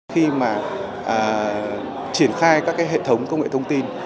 khi mà triển khai các hệ thống công nghệ thông tin